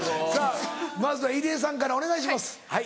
まずは入江さんからお願いしますはい。